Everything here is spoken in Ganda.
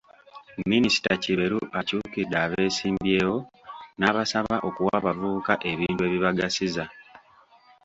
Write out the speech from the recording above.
Minisita Kiberu akyukidde abeesimbyewo n'abasaba okuwa abavubuka ebintu ebibagasiza